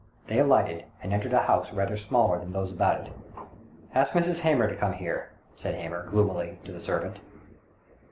They alighted, and entered a house rather smaller than those about it. " Ask Mrs. Hamer to come here," said Hamer, gloomily, to the servant.